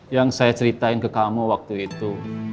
yang saya ceritain ke kamu waktu itu